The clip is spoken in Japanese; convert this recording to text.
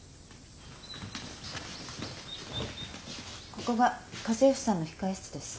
ここが家政婦さんの控え室です。